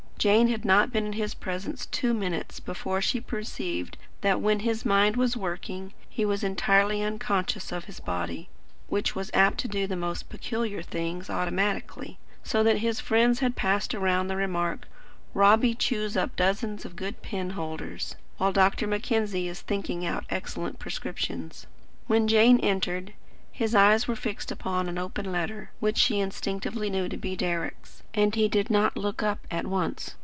Jane had not been in his presence two minutes before she perceived that, when his mind was working, he was entirely unconscious of his body, which was apt to do most peculiar things automatically; so that his friends had passed round the remark: "Robbie chews up dozens of good pen holders, while Dr. Mackenzie is thinking out excellent prescriptions." When Jane entered, his eyes were fixed upon an open letter, which she instinctively knew to be Deryck's, and he did not look up at once.